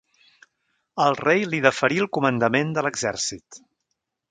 El rei li deferí el comandament de l'exèrcit.